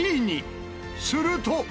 すると。